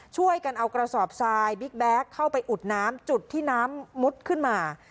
ช่วยกันเอากระสอบทรายบิ๊กแก๊กเข้าไปอุดน้ำจุดที่น้ำมุดขึ้นมา